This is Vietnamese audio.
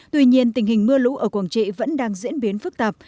tuy nhiên tình hình mưa lũ ở quảng trị vẫn đang diễn biến phức tạp